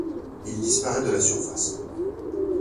Il disparaît de la surface.